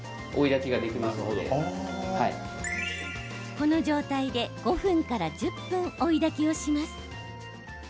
この状態で５分から１０分追いだきをします。